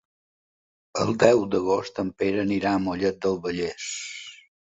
El deu d'agost en Pere anirà a Mollet del Vallès.